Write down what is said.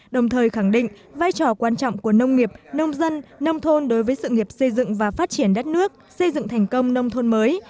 đồng thời khẳng định vai trò quan trọng của nông nghiệp nông dân nông thôn đối với sự nghiệp xây dựng và phát triển đất nước xây dựng thành công nông thôn mới